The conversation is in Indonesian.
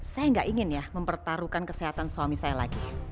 saya nggak ingin ya mempertaruhkan kesehatan suami saya lagi